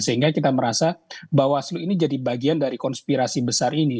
sehingga kita merasa bahwa selu ini jadi bagian dari konspirasi besar ini